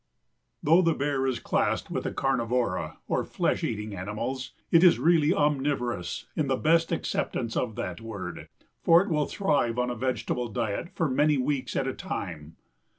Though the Bear is classed with the Carnivora, or flesh eating animals, it is really omnivorous in the best acceptance of that word, for it will thrive on a vegetable diet for many weeks at a time.